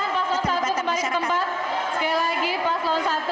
waktu habis silakan pas lon satu kembali ke tempat